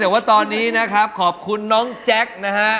แต่ว่าตอนนี้นะครับขอบคุณน้องแจ็คนะฮะ